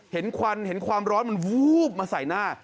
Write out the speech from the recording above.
เห็นควันเห็นความร้อนมันมาใส่หน้า